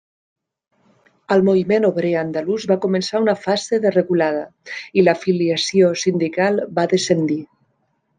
El moviment obrer andalús va començar una fase de reculada, i l'afiliació sindical va descendir.